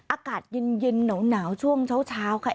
อากาศเย็นหนาวช่วงเช้าค่ะ